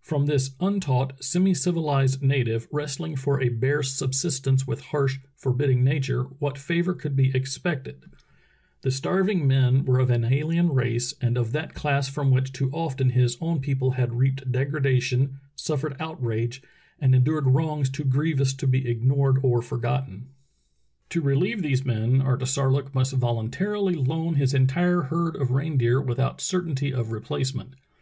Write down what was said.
From this untaught, semi civilized native, wrestling for a bare subsistence with harsh, forbidding nature, what favor could be expected ? The starving men were of an ahen race, and of that class from which too often his own peo ple had reaped degradation, suffered outrage, and en dured wrongs too grievous to be ignored or forgotten. 284 True Tales of Arctic Heroism To relieve these men Artisarlook must voluntarily loan his entire herd of reindeer without certainty of replace ment.